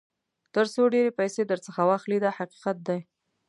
تر څو ډېرې پیسې درڅخه واخلي دا حقیقت دی.